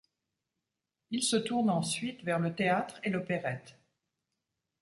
Il se tourne ensuite vers le théâtre et l’opérette.